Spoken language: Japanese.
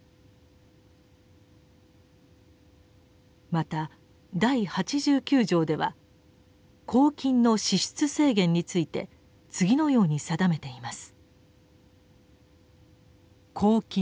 また第八十九条では「公金の支出制限」について次のように定めています。